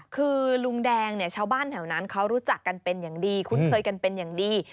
คือลุงแดงเนี่ยชาวบ้านแถวนั้นเขารู้จักกันเป็นอย่างดีคุ้นเคยกันเป็นอย่างดี